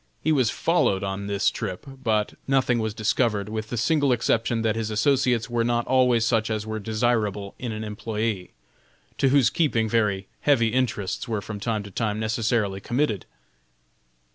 He was followed on this trip, but nothing was discovered, with the single exception that his associates were not always such as were desirable in an employé, to whose keeping very heavy interests were from time to time necessarily committed.